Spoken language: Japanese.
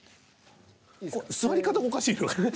座り方がおかしいのかな。